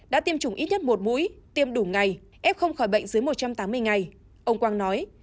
đã tiêm chủng ít nhất một mũi tiêm đủ ngày ép không khỏi bệnh dưới một trăm tám mươi ngày ông quang nói